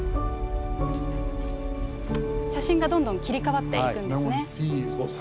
写真がどんどん切り替わっていくんですね。